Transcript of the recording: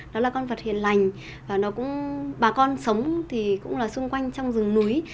đó là con vật hiền lành và nó cũng bà con sống thì cũng là xung quanh trong rừng núi